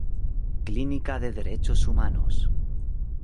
Clínica de Derechos Humanos.